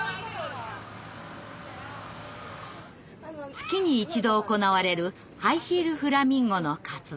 月に一度行われる「ハイヒール・フラミンゴ」の活動。